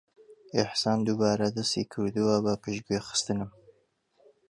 ئیحسان دووبارە دەستی کردووە بە پشتگوێخستنم.